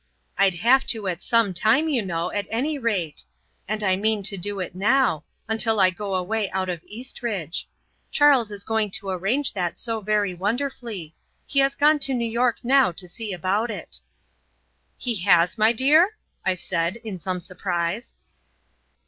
I'd have to at some time, you know, at any rate. And I mean to do it now until I go away out of Eastridge. Charles is going to arrange that so very wonderfully. He has gone to New York now to see about it." "He has, my dear?" I said, in some surprise.